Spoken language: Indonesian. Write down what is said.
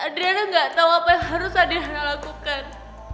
adriana gak tau apa yang harus adriana lakukan